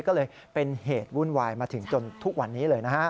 ก็เลยเป็นเหตุวุ่นวายมาถึงจนทุกวันนี้เลยนะฮะ